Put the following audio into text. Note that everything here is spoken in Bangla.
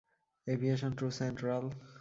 Aviation to central.